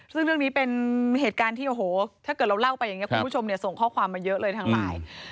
ซึ่งเรื่องนี้เป็นเหตุการณ์ที่โอ้โหถ้าเกิดเราเล่าไปอย่างนี้คุณผู้ชมส่งข้อความมาเยอะเลยทางไลน์